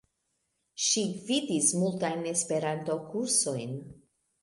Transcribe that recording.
Ŝi gvidis multajn Esperanto-kursojn.